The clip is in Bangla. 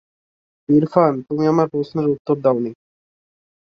ইরফান, তুমি আমার প্রশ্নের উত্তর দাওনি।